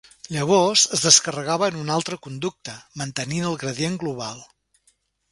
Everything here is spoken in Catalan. Llavors es descarregava en un altre conducte; mantenint el gradient global.